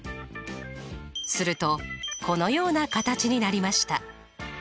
するとこのような形になりました。